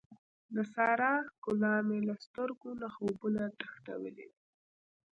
د سارې ښکلا مې له سترګو نه خوبونه تښتولي دي.